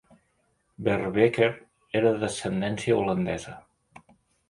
Verbeek era d'ascendència holandesa.